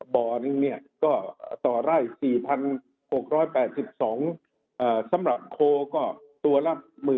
บ่อนึงเนี่ยก็ต่อไร่๔๖๘๒สำหรับโคก็ตัวละ๑๐๐๐